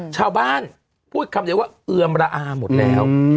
ชาวบ้านพูดคำเดียวว่าเอือมระอาหมดแล้ว